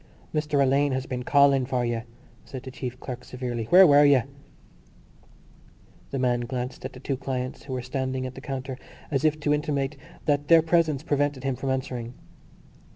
"Mr Alleyne has been calling for you," said the chief clerk severely. "Where were you?" The man glanced at the two clients who were standing at the counter as if to intimate that their presence prevented him from answering.